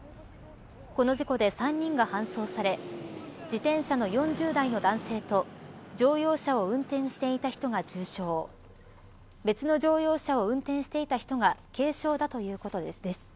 この事故で、３人が搬送され自転車の４０代の男性と乗用車を運転していた人が重傷別の乗用車を運転していた人が軽傷だということです。